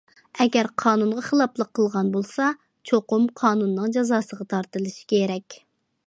ئەگەر قانۇنغا خىلاپلىق قىلغان بولسا، چوقۇم قانۇننىڭ جازاسىغا تارتىلىشى كېرەك.